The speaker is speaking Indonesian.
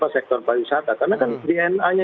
sektor pariwisata karena kan dna nya